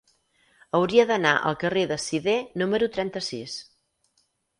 Hauria d'anar al carrer de Sidé número trenta-sis.